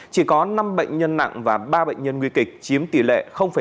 chỉ có năm bệnh nhân nặng và ba bệnh nhân nguy kịch chiếm tỷ lệ bốn